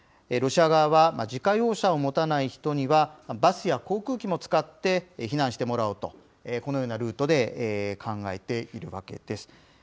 ロシア側は、自家用車を持たない人にはバスや航空機も使って、避難してもらおうと、このようなルートで考えているわけです。